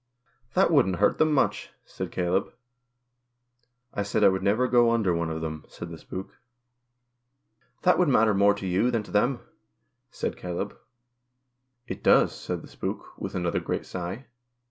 "That wouldn't hurt them much," said Caleb. " I said I would never go under one of them," said the spook. 182 THE KIRK SPOOK. " That would matter more to you than to them," said Caleb. " It does," said the spook, with another great sigh.